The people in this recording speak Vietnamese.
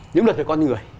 những luật về con người